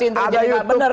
ini ada youtube